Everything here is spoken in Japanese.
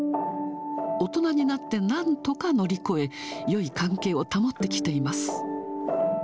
大人になってなんとか乗り越え、よい関係を保ってきています。